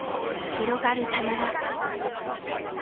広がる棚田。